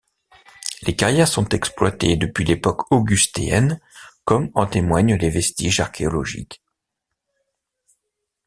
Les carrières sont exploitées depuis l'époque augustéenne comme en témoignent les vestiges archéologiques.